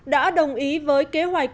đã đồng ý với kế hoạch